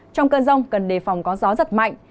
trong cơn rông cần đề phòng có gió giật mạnh